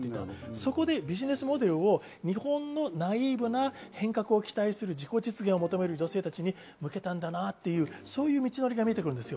そこでビジネスモデルを日本のナイーブな変革を期待する自己実現を求める女性たちに向けたんだなっていうそういう道のりが見えて来るんですよ。